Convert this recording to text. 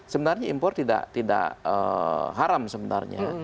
sebenarnya impor tidak haram sebenarnya